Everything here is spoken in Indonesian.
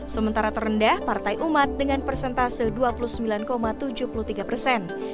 sementara terendah partai umat dengan persentase dua puluh sembilan tujuh puluh tiga persen